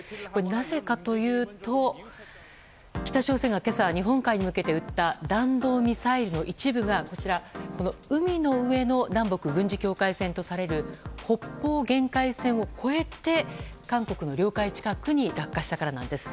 なぜかというと、北朝鮮が今朝日本海に向けて撃った弾道ミサイルの一部が、海の上の南北軍事境界線とされる北方限界線を越えて韓国の領海近くに落下したからなんです。